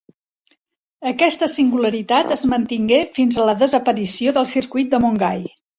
Aquesta singularitat es mantingué fins a la desaparició del Circuit de Montgai.